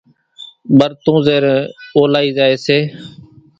ٻرتون زيرين اولائي زائي سي،